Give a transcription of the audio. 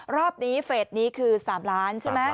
รอบนี้เฟสนี้คือ๓ล้านใช่ไหม